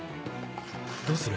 どうする？